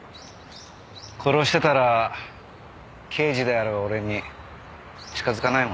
殺してたら刑事である俺に近づかないもんね。